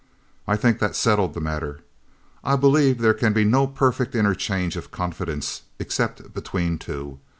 I think that settled the matter. I believe there can be no perfect interchange of confidence except between two.